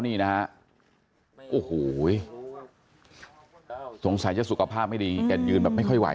นี่นะฮะโอ้โหสงสัยจะสุขภาพไม่ดีแกยืนแบบไม่ค่อยไหว